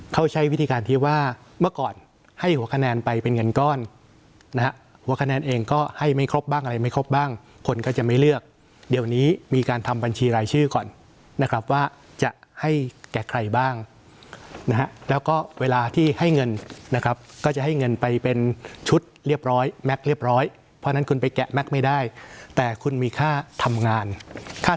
เขาใช้วิธีการที่ว่าเมื่อก่อนให้หัวคะแนนไปเป็นเงินก้อนนะฮะหัวคะแนนเองก็ให้ไม่ครบบ้างอะไรไม่ครบบ้างคนก็จะไม่เลือกเดี๋ยวนี้มีการทำบัญชีรายชื่อก่อนนะครับว่าจะให้แก่ใครบ้างนะฮะแล้วก็เวลาที่ให้เงินนะครับก็จะให้เงินไปเป็นชุดเรียบร้อยแม็กซ์เรียบร้อยเพราะฉะนั้นคุณไปแกะแม็กซ์ไม่ได้แต่คุณมีค่าทำงานค่า